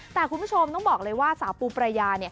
แต่คุณผู้ชมต้องบอกเลยว่าสาวปูปรายาเนี่ย